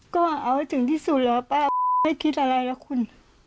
ก็เอาให้ถึงที่สุดแล้วป้าไม่คิดอะไรแล้วคุณ